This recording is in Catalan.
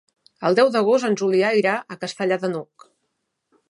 El deu d'agost en Julià irà a Castellar de n'Hug.